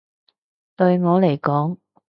對我嚟講